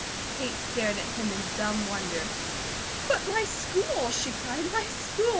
Kate stared at him in dumb wonder. "But my school!" she cried. "My school!